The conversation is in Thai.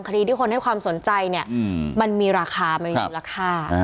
คดีที่คนให้ความสนใจเนี่ยมันมีราคามันมีมูลค่า